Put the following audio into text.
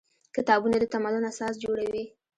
کتابونه د تمدن اساس جوړوي.